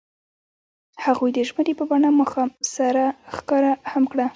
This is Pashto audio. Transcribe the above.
هغوی د ژمنې په بڼه ماښام سره ښکاره هم کړه.